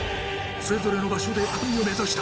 それぞれの場所で高みを目指した。